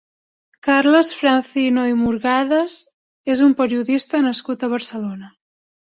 Carles Francino i Murgades és un periodista nascut a Barcelona.